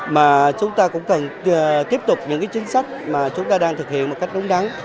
mà chúng ta cũng cần tiếp tục những chính sách mà chúng ta đang thực hiện một cách đúng đắn